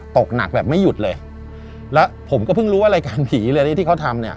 ตกหนักแบบไม่หยุดเลยแล้วผมก็เพิ่งรู้ว่ารายการผีเลยที่เขาทำเนี่ย